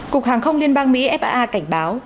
cục hàng không liên bang mỹ faa cảnh báo